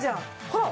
ほら。